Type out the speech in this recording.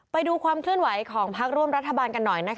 ไปดูความขึ้นไหวของภาคร่วมรัฐบาลกันหน่อย